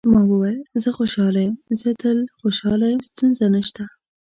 ما وویل: زه خوشاله یم، زه تل خوشاله یم، ستونزه نشته.